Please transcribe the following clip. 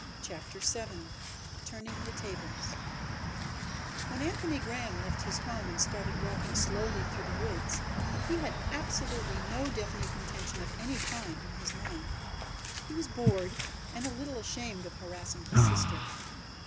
CHAPTER VII Turning the Tables When Anthony Graham left his home and started walking slowly through the woods he had absolutely no definite intention of any kind in his mind. He was bored and a little ashamed of harassing his sister.